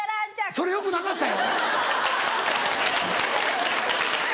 それよくなかったよ。